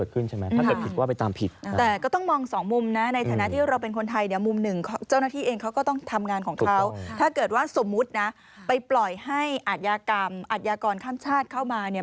คือมันว่าไปตามสิทธิ์ที่เกิดขึ้นใช่ไหมถ้าว่าเป็นผิดก็ว่าไปตามผิด